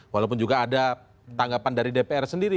walaupun juga ada tanggapan dari dpr sendiri